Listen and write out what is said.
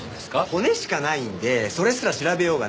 骨しかないんでそれすら調べようがないらしくて。